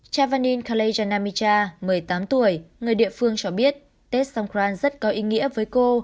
chavanin kalejanamicha một mươi tám tuổi người địa phương cho biết tết songkran rất có ý nghĩa với cô